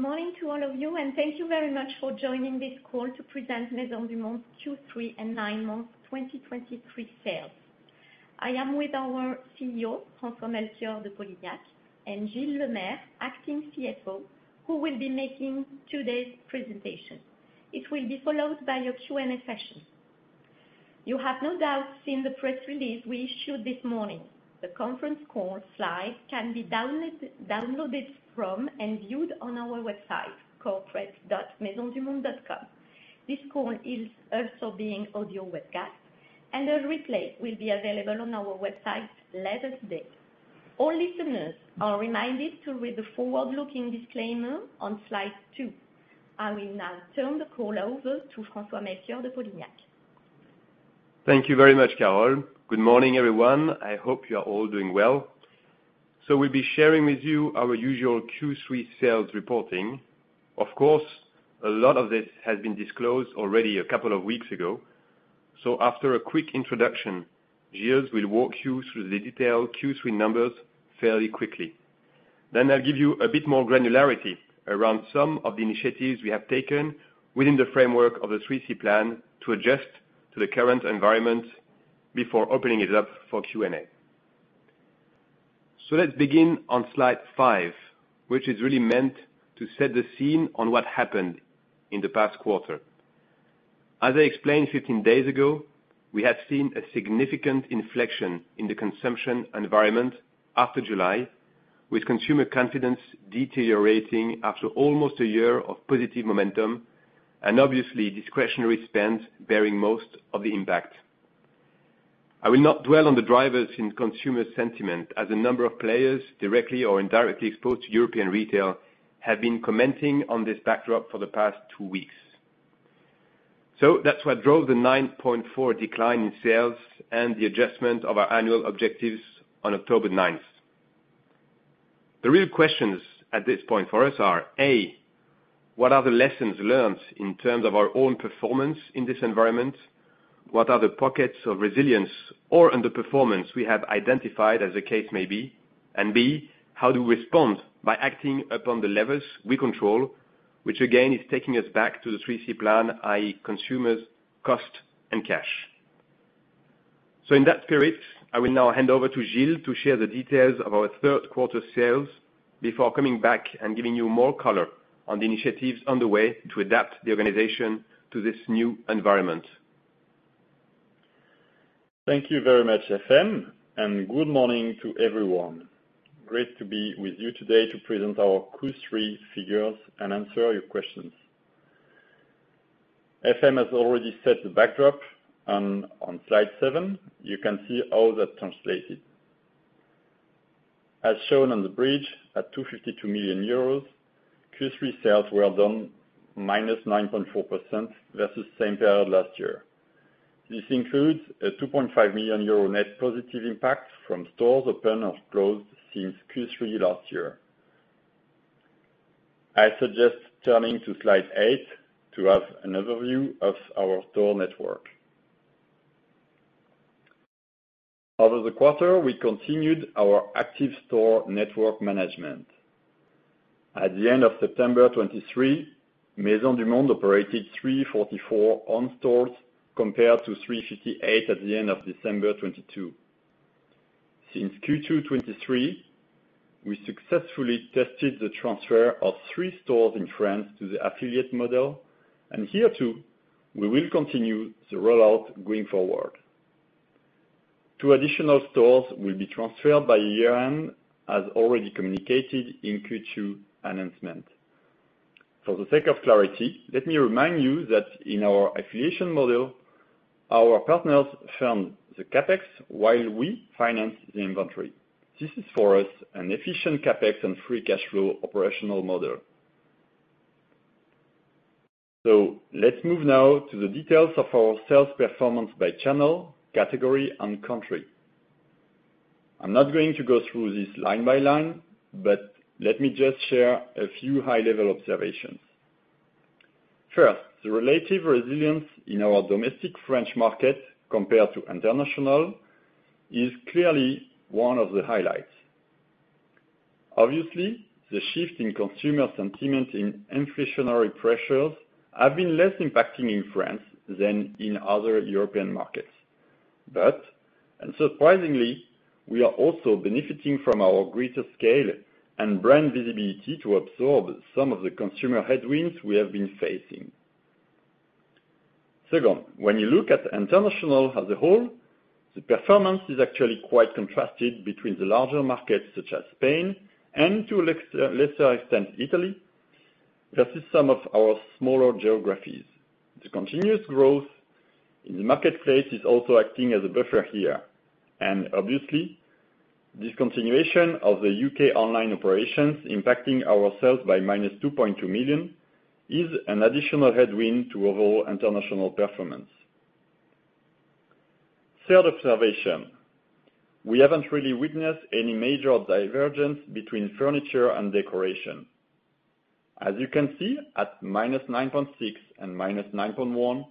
Good morning to all of you, and thank you very much for joining this call to present Maisons du Monde Q3 and nine months 2023 sales. I am with our CEO, François-Melchior de Polignac, and Gilles Lemaire, acting CFO, who will be making today's presentation. It will be followed by a Q&A session. You have no doubt seen the press release we issued this morning. The conference call slide can be downloaded from and viewed on our website, corporate.maisonsdumonde.com. This call is also being audio webcast, and a replay will be available on our website later today. All listeners are reminded to read the forward-looking disclaimer on slide two. I will now turn the call over to François-Melchior de Polignac. Thank you very much, Carole. Good morning, everyone. I hope you are all doing well. We'll be sharing with you our usual Q3 sales reporting. Of course, a lot of this has been disclosed already a couple of weeks ago, so after a quick introduction, Gilles will walk you through the detailed Q3 numbers fairly quickly. Then I'll give you a bit more granularity around some of the initiatives we have taken within the framework of the 3C Plan to adjust to the current environment before opening it up for Q&A. Let's begin on slide five, which is really meant to set the scene on what happened in the past quarter. As I explained 15 days ago, we had seen a significant inflection in the consumption environment after July, with consumer confidence deteriorating after almost a year of positive momentum, and obviously, discretionary spend bearing most of the impact. I will not dwell on the drivers in consumer sentiment, as a number of players, directly or indirectly exposed to European retail, have been commenting on this backdrop for the past 2 weeks. So that's what drove the 9.4 decline in sales and the adjustment of our annual objectives on October ninth. The real questions at this point for us are, A, what are the lessons learned in terms of our own performance in this environment? What are the pockets of resilience or underperformance we have identified as the case may be? And B, how do we respond by acting upon the levers we control, which again, is taking us back to the 3C Plan, i.e., consumers, cost, and cash. In that spirit, I will now hand over to Gilles to share the details of our third quarter sales before coming back and giving you more color on the initiatives on the way to adapt the organization to this new environment. Thank you very much, FM, and good morning to everyone. Great to be with you today to present our Q3 figures and answer all your questions. FM has already set the backdrop, and on slide seven, you can see how that translated. As shown on the bridge, at 252 million euros, Q3 sales were down -9.4% versus same period last year. This includes a 2.5 million euro net positive impact from stores open or closed since Q3 last year. I suggest turning to slide eight to have an overview of our store network. Over the quarter, we continued our active store network management. At the end of September 2023, Maisons du Monde operated 344 owned stores, compared to 358 at the end of December 2022. Since Q2 2023, we successfully tested the transfer of 3 stores in France to the affiliate model, and here, too, we will continue the rollout going forward. 2 additional stores will be transferred by year-end, as already communicated in Q2 announcement. For the sake of clarity, let me remind you that in our affiliation model, our partners fund the CapEx while we finance the inventory. This is, for us, an efficient CapEx and free cash flow operational model. So let's move now to the details of our sales performance by channel, category, and country. I'm not going to go through this line by line, but let me just share a few high-level observations. First, the relative resilience in our domestic French market compared to international is clearly one of the highlights. Obviously, the shift in consumer sentiment in inflationary pressures have been less impacting in France than in other European markets. But unsurprisingly, we are also benefiting from our greater scale and brand visibility to absorb some of the consumer headwinds we have been facing. Second, when you look at international as a whole, the performance is actually quite contrasted between the larger markets, such as Spain and to a lesser extent, Italy, versus some of our smaller geographies. The continuous growth in the marketplace is also acting as a buffer here. Obviously, discontinuation of the UK online operations impacting our sales by -2.2 million is an additional headwind to overall international performance. Third observation, we haven't really witnessed any major divergence between furniture and decoration. As you can see, at -9.6% and -9.1%.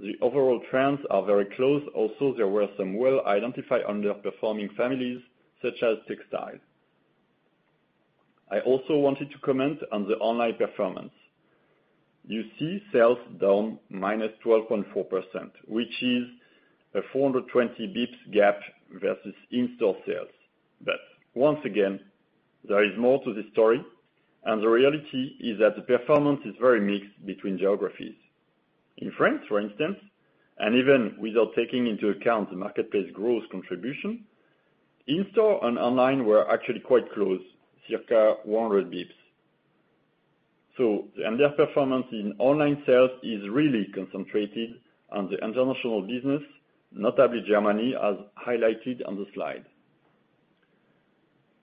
The overall trends are very close. Also, there were some well-identified underperforming families, such as textile. I also wanted to comment on the online performance. You see sales down -12.4%, which is a 420 bips gap versus in-store sales. But once again, there is more to this story, and the reality is that the performance is very mixed between geographies. In France, for instance, and even without taking into account the marketplace growth contribution, in-store and online were actually quite close, circa 100 bips. So the underperformance in online sales is really concentrated on the international business, notably Germany, as highlighted on the slide.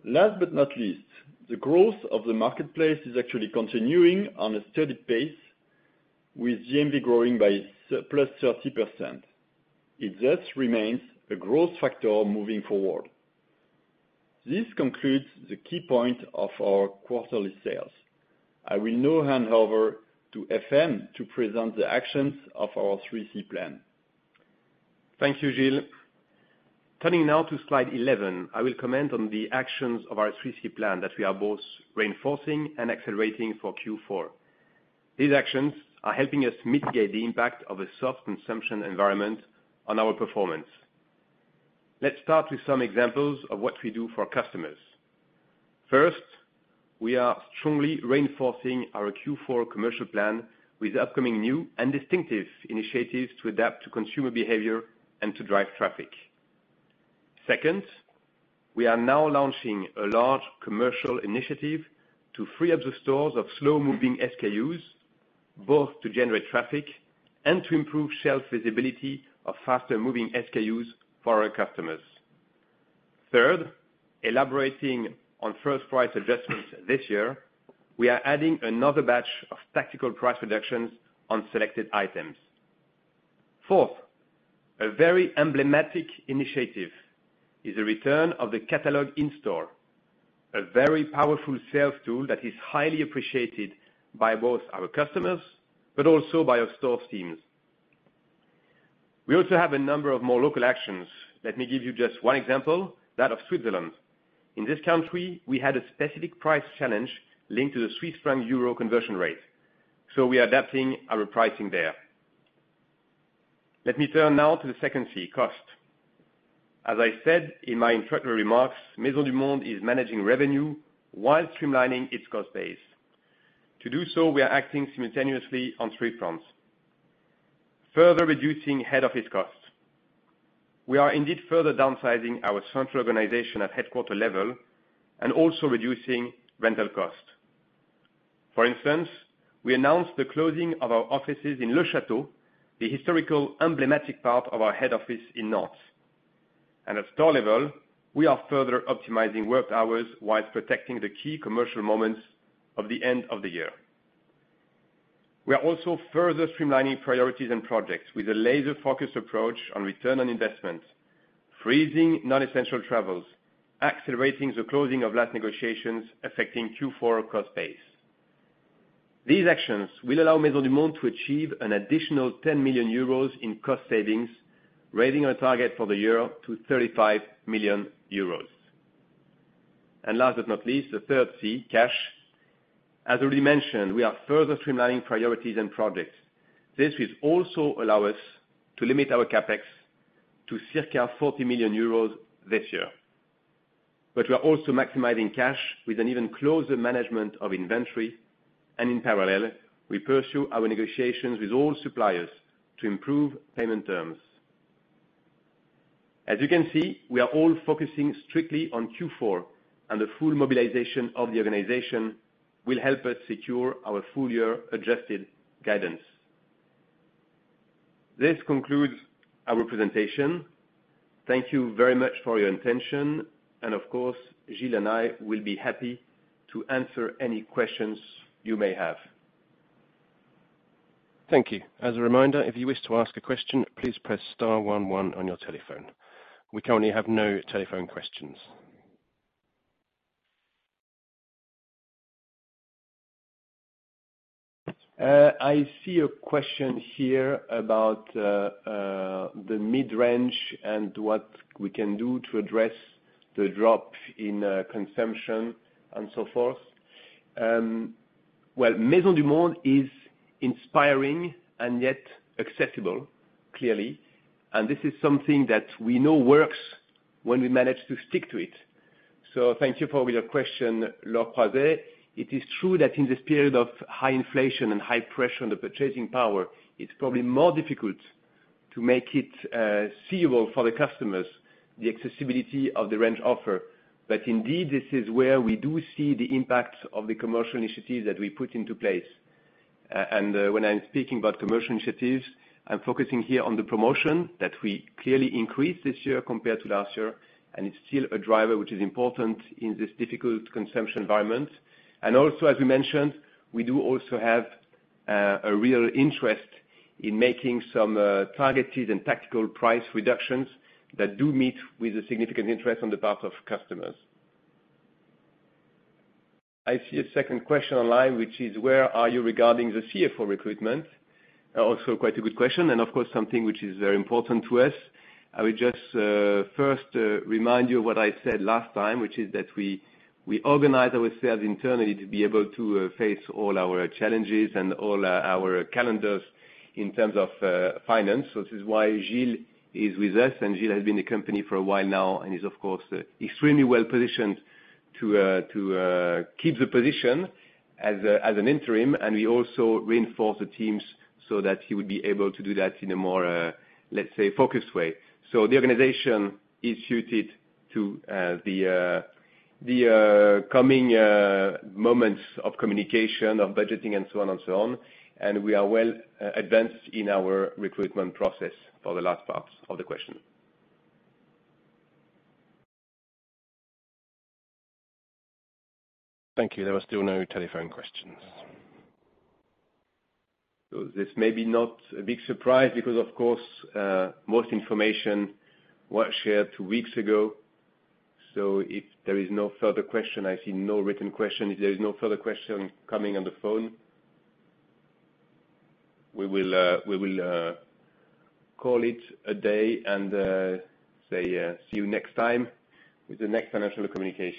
Last but not least, the growth of the marketplace is actually continuing on a steady pace, with GMV growing by +30%. It thus remains a growth factor moving forward. This concludes the key point of our quarterly sales. I will now hand over to FM to present the actions of our 3C Plan. Thank you, Gilles. Turning now to slide 11, I will comment on the actions of our 3C Plan that we are both reinforcing and accelerating for Q4. These actions are helping us mitigate the impact of a soft consumption environment on our performance. Let's start with some examples of what we do for customers. First, we are strongly reinforcing our Q4 commercial plan with upcoming new and distinctive initiatives to adapt to consumer behavior and to drive traffic. Second, we are now launching a large commercial initiative to free up the stores of slow-moving SKUs, both to generate traffic and to improve shelf visibility of faster-moving SKUs for our customers. Third, elaborating on first price adjustments this year, we are adding another batch of tactical price reductions on selected items. Fourth, a very emblematic initiative is a return of the catalog in-store, a very powerful sales tool that is highly appreciated by both our customers but also by our store teams. We also have a number of more local actions. Let me give you just one example, that of Switzerland. In this country, we had a specific price challenge linked to the Swiss franc-euro conversion rate, so we are adapting our pricing there. Let me turn now to the second C, cost. As I said in my introductory remarks, Maisons du Monde is managing revenue while streamlining its cost base. To do so, we are acting simultaneously on three fronts: further reducing head office costs. We are indeed further downsizing our central organization at headquarters level and also reducing rental costs. For instance, we announced the closing of our offices in Le Château, the historical, emblematic part of our head office in Nantes. At store level, we are further optimizing work hours while protecting the key commercial moments of the end of the year. We are also further streamlining priorities and projects with a laser-focused approach on return on investment, freezing non-essential travels, accelerating the closing of last negotiations affecting Q4 cost base. These actions will allow Maisons du Monde to achieve an additional 10 million euros in cost savings, raising our target for the year to 35 million euros. And last but not least, the third C, cash. As already mentioned, we are further streamlining priorities and projects. This will also allow us to limit our CapEx to circa 40 million euros this year. But we are also maximizing cash with an even closer management of inventory, and in parallel, we pursue our negotiations with all suppliers to improve payment terms. As you can see, we are all focusing strictly on Q4, and the full mobilization of the organization will help us secure our full year adjusted guidance. This concludes our presentation. Thank you very much for your attention, and of course, Gilles and I will be happy to answer any questions you may have. Thank you. As a reminder, if you wish to ask a question, please press star one one on your telephone. We currently have no telephone questions. I see a question here about the mid-range and what we can do to address the drop in consumption and so forth. Well, Maisons du Monde is inspiring and yet accessible, clearly, and this is something that we know works when we manage to stick to it. So thank you for your question, Laura Paz. It is true that in this period of high inflation and high pressure on the purchasing power, it's probably more difficult to make it seeable for the customers, the accessibility of the range offer. But indeed, this is where we do see the impact of the commercial initiatives that we put into place. When I'm speaking about commercial initiatives, I'm focusing here on the promotion that we clearly increased this year compared to last year, and it's still a driver, which is important in this difficult consumption environment. Also, as we mentioned, we do also have a real interest in making some targeted and tactical price reductions that do meet with a significant interest on the part of customers. I see a second question online, which is: where are you regarding the CFO recruitment? Also, quite a good question, and of course, something which is very important to us. I would just first remind you of what I said last time, which is that we organize ourselves internally to be able to face all our challenges and all our calendars in terms of finance. So this is why Gilles is with us, and Gilles has been in the company for a while now and is, of course, extremely well positioned to keep the position as an interim. And we also reinforce the teams so that he would be able to do that in a more, let's say, focused way. So the organization is suited to the coming moments of communication, of budgeting, and so on and so on, and we are well advanced in our recruitment process for the last part of the question. Thank you. There are still no telephone questions. So this may be not a big surprise because, of course, most information was shared two weeks ago. So if there is no further question, I see no written question. If there is no further question coming on the phone, we will, we will, call it a day and, say, see you next time with the next financial communication.